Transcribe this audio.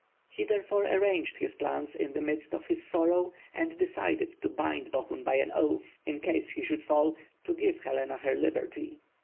He, therefore, arranged his plans in the midst of his sorrow, and decided to bind Bohun by an oath, in case he should fall, to give Helena her liberty.